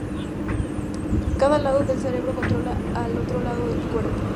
Cada lado del cerebro controla el lado opuesto del cuerpo.